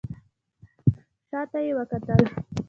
شا ته يې وکتل.